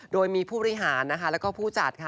โดยมีผู้บริหารนะคะแล้วก็ผู้จัดค่ะ